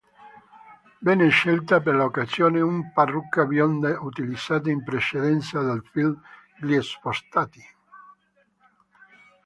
Venne scelta per l'occasione una parrucca bionda utilizzata in precedenza nel film "Gli Spostati".